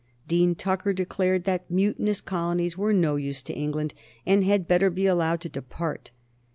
Dean Tucker declared that mutinous colonies were no use to England, and had better be allowed to depart.